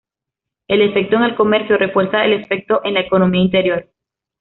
El efecto en el comercio refuerza el efecto en la economía interior.